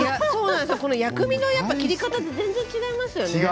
薬味の切り方で全然違いますよね